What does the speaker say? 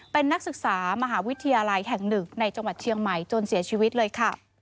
เป็นนักศึกษามหาวิทยาลัยแห่งหนึ่งในจังหวัดเชียงใหม่จนเสียชีวิตเลยค่ะ